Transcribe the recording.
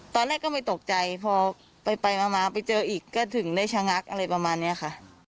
ตอนแรกก็ไม่ตกใจพอไปมาไปเจออีกก็ถึงได้ชะงักอะไรประมาณนี้ค่ะ